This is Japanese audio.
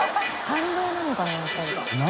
反動なのかな？